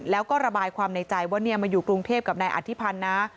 แล้วก็ระบายความในใจว่ามาอยู่กรุงเทพกับนายอธิพันธ์นะ